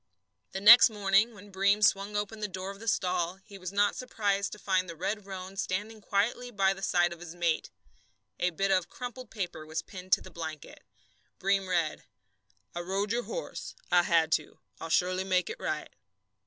The next morning, when Breem swung open the door of the stall, he was not surprised to find the red roan standing quietly by the side of his mate. A bit of crumpled paper was pinned to the blanket. Breem read: I rode your horse. I had to. I'll surely make it right.